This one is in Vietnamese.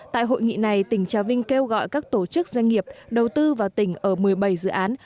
tại hội nghị này tỉnh trà vinh kêu gọi các tổ chức doanh nghiệp đầu tư vào tỉnh ở một mươi bảy dự án